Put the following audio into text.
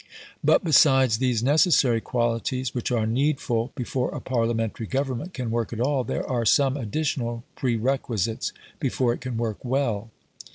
But besides these necessary qualities which are needful before a Parliamentary government can work at all, there are some additional prerequisites before it can work well.